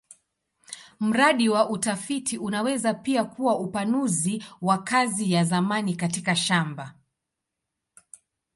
Mradi wa utafiti unaweza pia kuwa upanuzi wa kazi ya zamani katika shamba.